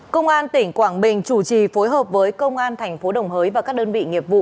công an tỉnh quảng bình chủ trì phối hợp với công an thành phố đồng hới và các đơn vị nghiệp vụ